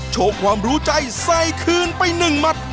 โชว์ความรู้ใจใส่คืนไป๑หมัด